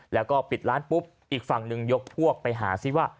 แล้วก็ปิดร้านปุ๊บอีกฝั่งหนึ่งยกพวกไปหาซิว่า